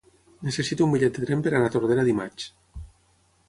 Necessito un bitllet de tren per anar a Tordera dimarts.